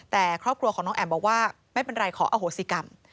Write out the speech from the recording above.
แต่ครอบครัวของน้องแอ๋มบอกว่าไม่เป็นไรขออโหสิกรรม